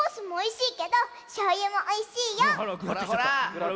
ほらほら！